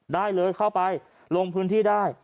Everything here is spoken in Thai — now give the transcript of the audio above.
ได้เลยเข้าไปลงพื้นที่ได้